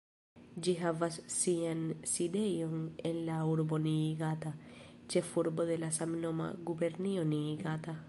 Ĝi havas sian sidejon en la urbo Niigata, ĉefurbo de la samnoma gubernio Niigata.